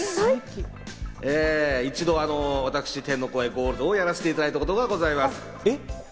一度私、天の声ゴールドをやらせていただいたことがございます。